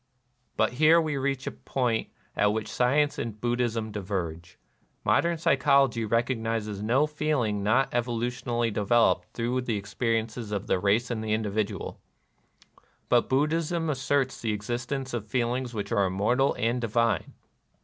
But here we reach a point at which science and Buddhism diverge. Modern psychology recognizes no feelings not evolutionally devel oped through the experiences of the race and the individual ; but Buddhism asserts the existence of feelings which are immortal and 234 NIRVANA divine.